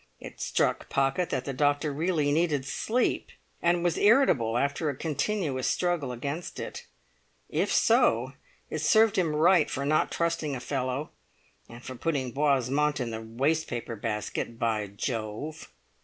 It struck Pocket that the doctor really needed sleep, and was irritable after a continuous struggle against it. If so, it served him right for not trusting a fellow—and for putting Boismont in the waste paper basket, by Jove!